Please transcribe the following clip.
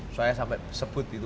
saya sampai sebut gitu